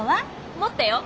持ったよ。